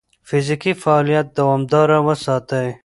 فزیکي فعالیت دوامداره وساتئ.